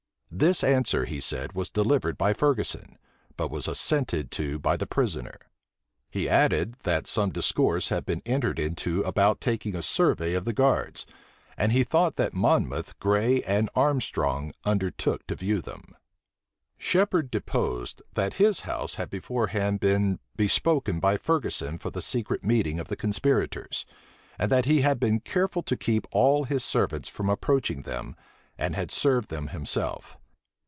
This answer, he said, was delivered by Ferguson; but was assented to by the prisoner. He added, that some discourse had been entered into about taking a survey of the guards; and he thought that Monmouth, Grey, and Armstrong undertook to view them. Shephard deposed, that his house had beforehand been bespoken by Ferguson for the secret meeting of the conspirators, and that he had been careful to keep all his servants from approaching them, and had served them himself.